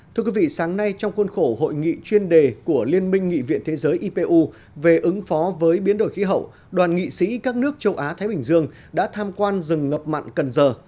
thưa quý vị sáng nay trong khuôn khổ hội nghị chuyên đề của liên minh nghị viện thế giới ipu về ứng phó với biến đổi khí hậu đoàn nghị sĩ các nước châu á thái bình dương đã tham quan rừng ngập mặn cần giờ